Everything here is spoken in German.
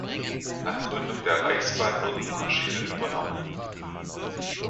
Nach Gründung der Reichsbahn wurden die Maschinen übernommen.